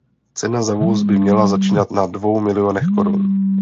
Cena za vůz by měla začínat na dvou milionech korun.